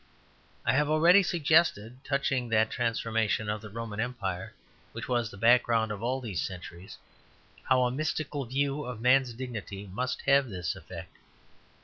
I have already suggested, touching that transformation of the Roman Empire which was the background of all these centuries, how a mystical view of man's dignity must have this effect.